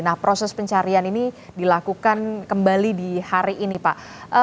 nah proses pencarian ini dilakukan kembali di hari ini pak